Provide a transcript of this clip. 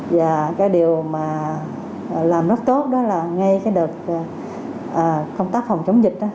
và cái điều mà làm rất tốt đó là ngay cái đợt công tác phòng chống dịch đó